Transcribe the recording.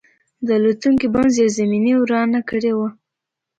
د الوتکې بم زیرزمیني ورانه کړې وه